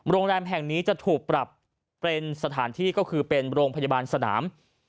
โรงแรมแห่งนี้จะถูกปรับเป็นสถานที่ก็คือเป็นโรงพยาบาลสนาม